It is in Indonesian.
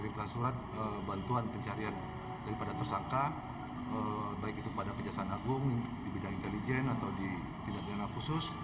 kita mengirimkan surat bantuan pencarian daripada tersangka baik itu kepada kejaksaan agung di bidang intelijen atau di bidang dana khusus